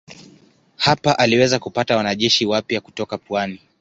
Hapa aliweza kupata wanajeshi wapya kutoka pwani.